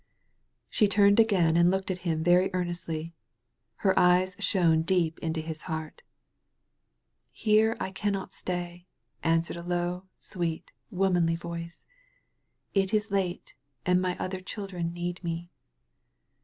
She turned again and looked at him very ear nestly. Her eyes shone deep into his heart ''Here I cannot stay/' answered a Iow» sweet» womanly voice. ''It is late, and my other children need me."